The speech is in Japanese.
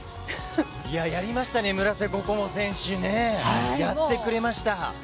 いやー、やりましたね、村瀬心椛選手ね、やってくれました。